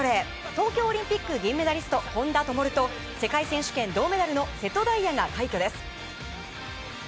東京オリンピック銀メダリスト本多灯と世界選手権銅メダルの瀬戸大也が快挙です。